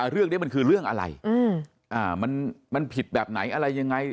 เรื่องนี้มันคือเรื่องอะไรมันผิดแบบไหนอะไรยังไง